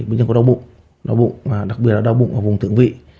bệnh nhân có đau bụng đặc biệt là đau bụng ở vùng thượng vị